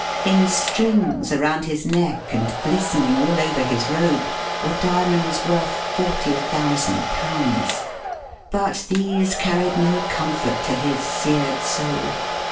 In strings, around his neck and glistening all over his robe, were diamonds worth ^40,000. But these carried no comfort to his seared soul.